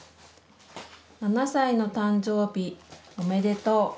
７歳の誕生日おめでとう。